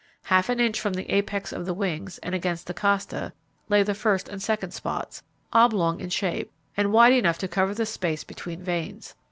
Half an inch from the apex of the wings, and against the costa, lay the first and second spots, oblong in shape, and wide enough to cover the space between veins.